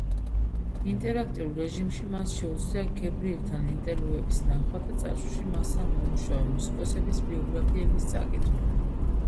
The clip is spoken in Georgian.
ინტერაქტიულ რეჟიმში მას შეუძლია გებრიელთან ინტერვიუების ნახვა და წარსულში მასთან მომუშავე მუსიკოსების ბიოგრაფიების წაკითხვა.